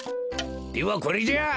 ではこれじゃ。